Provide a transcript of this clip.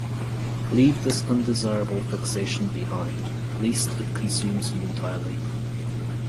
Leave this undesirable fixation behind, lest it consumes you entirely.